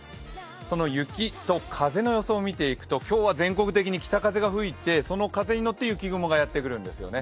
その雪と風の予想を見ていくと今日ば全国的に北風が吹いて、その風にのって雪雲がやってくるんですよね。